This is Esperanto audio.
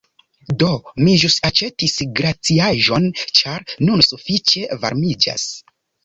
Do, mi ĵus aĉetis glaciaĵon ĉar nun sufiĉe varmiĝas